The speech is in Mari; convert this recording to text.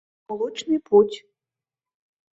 Молочный путь...